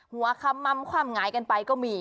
หัวข้ามม่ำความง้ายกันไปก็มี